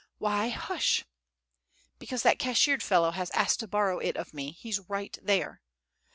Why hush?" "Because that cashiered fellow has asked to borrow it of me. He's right there."